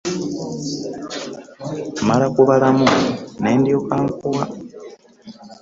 Mmala kubalamu ne ndyoka nkuwa.